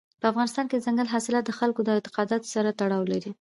په افغانستان کې دځنګل حاصلات د خلکو د اعتقاداتو سره تړاو لري.